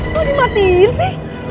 kok dimatiin sih